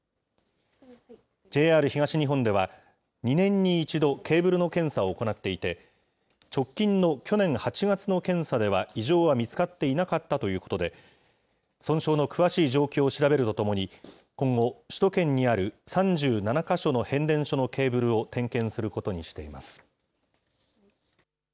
ＪＲ東日本では、２年に１度、ケーブルの検査を行っていて、直近の去年８月の検査では異常は見つかっていなかったということで、損傷の詳しい状況を調べるとともに、今後、首都圏にある３７か所の変電所のケーブルを点検することにしています。